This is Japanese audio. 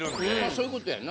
そういうことやな。